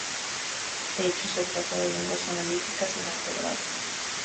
De hecho se trata de lenguas analíticas en alto grado.